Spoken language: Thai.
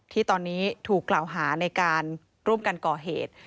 ที่ตอนนี้ถูกกล่าวหาในการร่วมกันก่อเหตุ